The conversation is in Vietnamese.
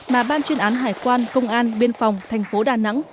của ban chuyên án hải quan công an biên phòng tp đà nẵng